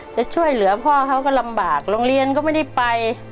จะช่วยเหลือพ่อเขาก็ลำบากโรงเรียนก็ไม่ได้ไป